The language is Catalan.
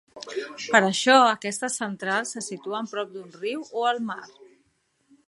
Per això aquestes centrals se situen prop d'un riu o el mar.